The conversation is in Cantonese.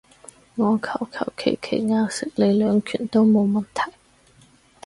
我求求其其硬食你兩拳都冇問題